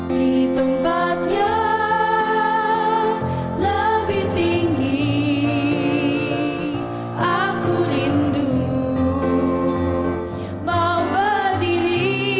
di tempat yang lebih tinggi aku rindu mau berdiri